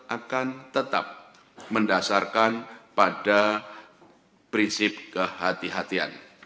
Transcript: akan tetap mendasarkan pada prinsip kehati hatian